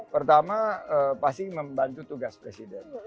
pertama pasti membantu tugas presiden